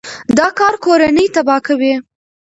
دا کار کورنۍ تباه کوي.